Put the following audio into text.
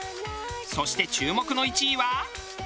そして注目の１位は。